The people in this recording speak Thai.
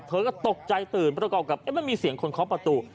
เธอก็ตกใจตื่นประกอบกับมันมีเสียงคนเคาะประตู